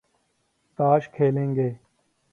تاش کھیلیں گے